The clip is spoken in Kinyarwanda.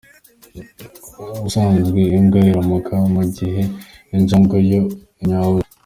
Ubusanzwe imbwa iramoka, mu gihe injangwe yo inyawuza.